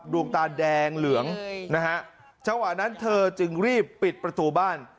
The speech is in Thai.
ดวงตาแดงเหลืองนะฮะจังหวะนั้นเธอจึงรีบปิดประตูบ้าน